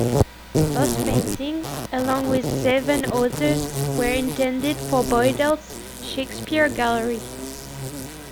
Both paintings, along with seven others, were intended for Boydell's Shakespeare Gallery.